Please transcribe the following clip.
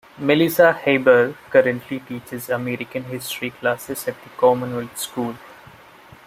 Melissa Haber currently teaches American history classes at the Commonwealth School.